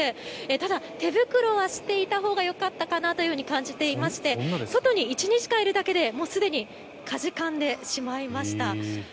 ただ、手袋はしていたほうがよかったかなと感じていまして外に１２時間いるだけですでにかじかんでしまいました。